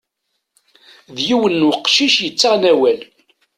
D yiwen n uqcic yettaɣen awal.